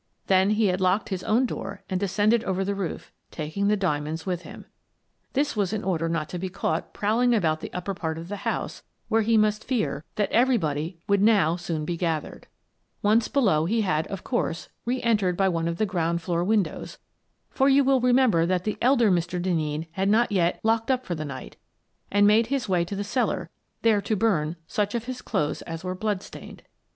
Then he had locked his own door and descended over the roof, taking the diamonds with him. This was in order not to be caught prowling about the upper part of the house, where he must fear that every Mr. Fredericks Returns 73 body would now soon be gathered. Once below he had, of course, reentered by one of the ground floor windows — for you will remember that the elder Mr. Denneen had not yet " locked up for the night "— and made his way to the cellar, there to burn such of his clothes as were blood stained.